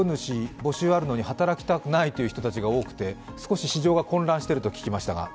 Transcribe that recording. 募集あるのに働きたくないという人たちが多くて少し市場が混乱していると聞きましたが。